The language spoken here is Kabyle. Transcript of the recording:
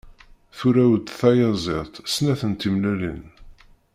Turew-d tayaziḍt snat n tmellalin.